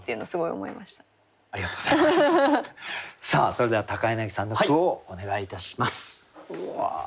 それでは柳さんの句をお願いいたします。